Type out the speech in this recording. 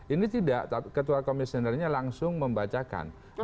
ini tidak ketua komisionernya langsung membacakan